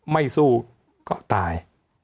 ไม่สู้ก็ตาย